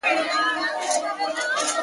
پر خړه مځکه به یې سیوري نه وي-